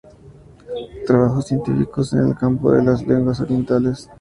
Trabajos científicos en el campo de las lenguas orientales.